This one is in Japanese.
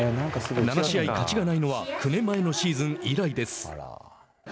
７試合勝ちがないのは９年前のシーズン以来です。